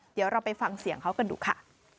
เดี๋ยวเราไปฟังเสียงเขากันดูค่ะ